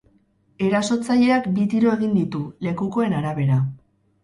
Erasotzaileak bi tiro egin ditu, lekukoen arabera.